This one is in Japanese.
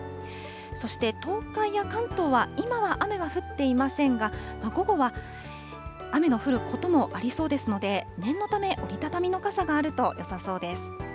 そして東海や関東は、今は雨が降っていませんが、午後は雨が降ることもありそうですので、念のため折り畳みの傘があるとよさそうです。